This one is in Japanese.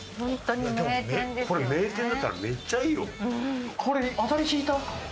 これ名店だったらめっちゃいいよ。